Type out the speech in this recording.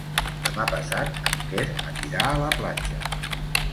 Demà passat en Quer anirà a la platja.